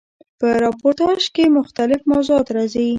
په راپورتاژ کښي مختلیف موضوعات راځي.